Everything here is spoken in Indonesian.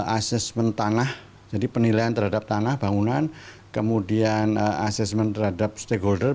asesmen tanah jadi penilaian terhadap tanah bangunan kemudian asesmen terhadap stakeholder